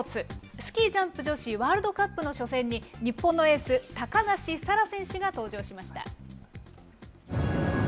スキージャンプ女子ワールドカップの初戦に、日本のエース、高梨沙羅選手が登場しました。